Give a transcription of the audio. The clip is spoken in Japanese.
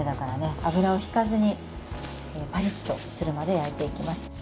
油をひかずにパリッとするまで焼いていきます。